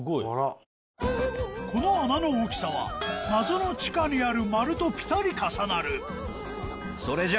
この穴の大きさは謎の地下にある丸とぴたり重なる